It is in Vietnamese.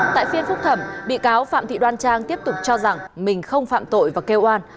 tại phiên phúc thẩm bị cáo phạm thị đoan trang tiếp tục cho rằng mình không phạm tội và kêu an